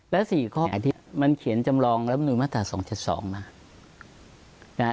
และสี่ข้อมันเขียนจำลองระบบหนูมาตรา๒๗๒มา